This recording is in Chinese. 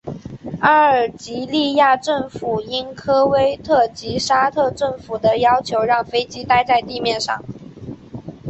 阿尔及利亚政府应科威特及沙特政府的要求让飞机待在地面上。